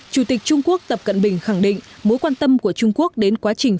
chủ tịch trung quốc tập cận bình khẳng định mối quan tâm của trung quốc đến quá trình